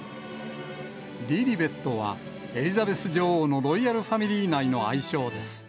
リリベットは、エリザベス女王のロイヤルファミリー内の愛称です。